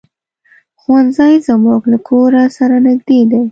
ښوونځی زمونږ له کور سره نږدې دی.